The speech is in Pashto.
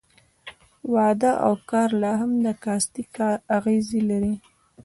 واده او کار لا هم د کاستي اغېز لري.